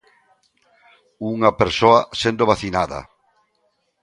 Unha persoa sendo vacinada.